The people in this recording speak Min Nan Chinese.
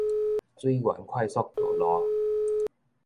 水源快速道路